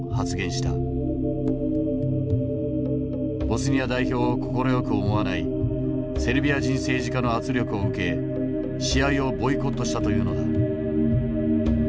ボスニア代表を快く思わないセルビア人政治家の圧力を受け試合をボイコットしたというのだ。